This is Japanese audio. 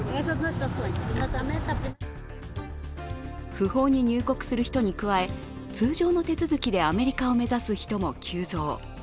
不法に入国する人に加え通常の手続きでアメリカを目指す人も急増。